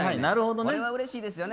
これはうれしいですよね。